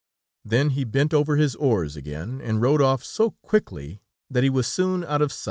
Then he bent over his oars again, and rowed off so quickly that he was soon out of sight.